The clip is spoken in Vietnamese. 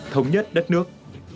thống nhất đất nước